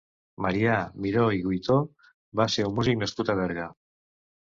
Marià Miró i Guitó va ser un músic nascut a Berga.